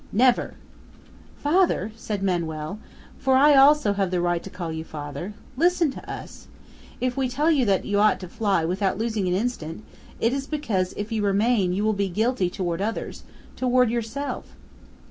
"Never!" "Father," said Manoel "for I also have the right to call you father listen to us! If we tell you that you ought to fly without losing an instant, it is because if you remain you will be guilty toward others, toward yourself!"